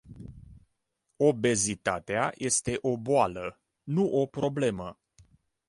Obezitatea este o boală, nu o problemă.